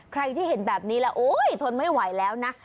ใครที่เห็นแบบนี้แล้วโอ๊ยทนไม่ไหวแล้วนะ